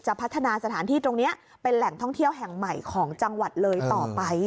พัฒนาสถานที่ตรงนี้เป็นแหล่งท่องเที่ยวแห่งใหม่ของจังหวัดเลยต่อไป